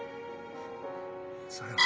それは」。